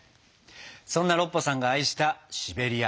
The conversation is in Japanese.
そんなロッパさんが愛したシベリア。